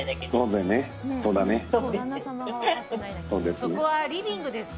そこはリビングですか？